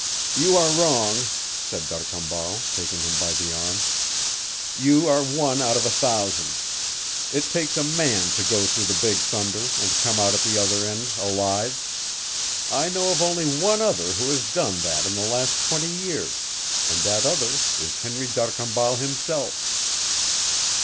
"You are wrong," said D'Arcambal, taking him by the arm. "You are one out of a thousand. It takes a MAN to go through the Big Thunder and come out at the other end alive. I know of only one other who has done that in the last twenty years, and that other is Henry d'Arcambal himself.